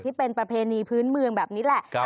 ที่เป็นประเพณีพื้นเมืองแบบนี้แหละ